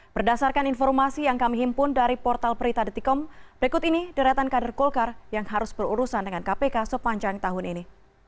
berdasarkan informasi yang kami himpun dari portal prita detikom berikut ini deretan kader golkar yang harus berurusan dengan kpk sepanjang tahun ini